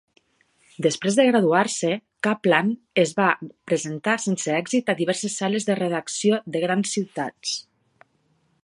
Després de graduar-se, Kaplan es va presentar sense èxit a diverses sales de redacció de grans ciutats.